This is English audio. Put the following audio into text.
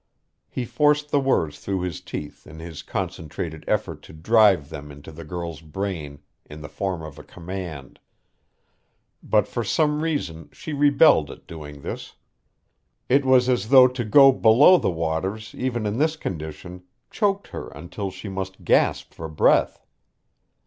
He forced the words through his teeth in his concentrated effort to drive them into the girl's brain in the form of a command. But for some reason she rebelled at doing this. It was as though to go below the waters even in this condition choked her until she must gasp for breath.